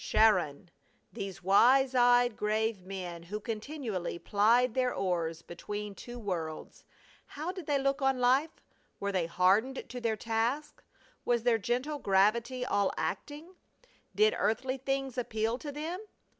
Charon! These wise eyed grave men who continually plied their oars between two worlds! How did they look on life? Were they hardened to their task? Was their gentle gravity all acting? Did earthly things appeal to them?